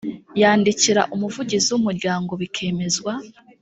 yandikira umuvugizi w umuryango bikemezwa